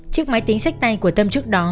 chiếc máy tính sách tay của tâm trước đó